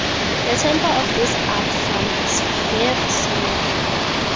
The tempo of this art form is very slow.